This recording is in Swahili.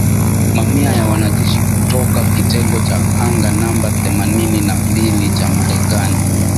Mamia ya wanajeshi kutoka kitengo cha anga namba themanini na mbili cha Marekani